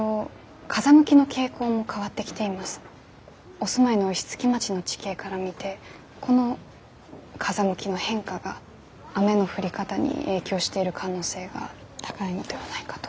お住まいの石月町の地形から見てこの風向きの変化が雨の降り方に影響している可能性が高いのではないかと。